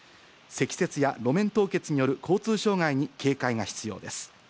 積雪や路面凍結による交通障害に警戒が必要です。